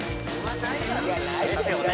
・いやないですよね！